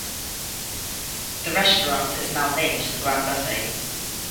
The restaurant is now named The Grand Buffet.